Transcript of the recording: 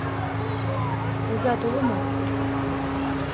Озат уло мо?